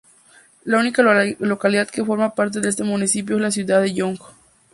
La única localidad que forma parte de este municipio es la ciudad de Young.